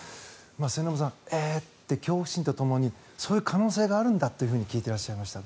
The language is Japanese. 末延さんえーって恐怖心とともにそういう可能性があるんだと聞いてらっしゃいました。